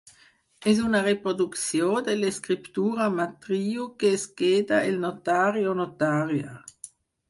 És una reproducció de l'escriptura matriu que es queda el notari o notària.